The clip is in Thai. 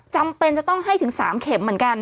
จำเป็นจะต้องให้ถึง๓เข็มเหมือนกัน